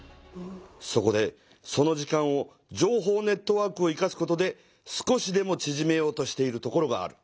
そこでその時間を情報ネットワークを生かすことで少しでもちぢめようとしている所がある。